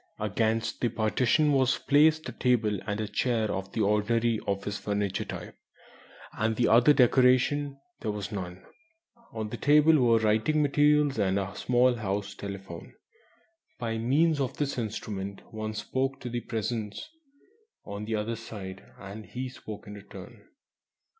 Against the partition was placed a table and a chair of the ordinary "office furniture" type; and other decoration there was none. On the table were writing materials, and a small house telephone. By means of this instrument one spoke to the Presence on the other side, and he spoke in return.